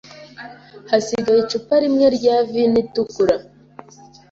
Hasigaye icupa rimwe rya vino itukura.